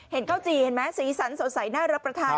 ข้าวจี่เห็นไหมสีสันสดใสน่ารับประทาน